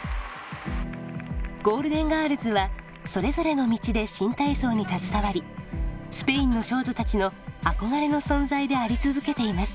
ゴールデンガールズはそれぞれの道で新体操に携わりスペインの少女たちの憧れの存在であり続けています。